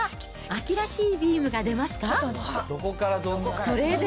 秋らしいビームが出ますか？